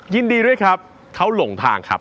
ยินดีด้วยครับเขาหลงทางครับ